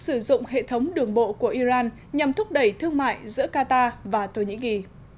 sử dụng hệ thống đường bộ của iran nhằm thúc đẩy thương mại giữa qatar và thổ nhĩ kỳ